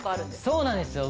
そうなんですよ。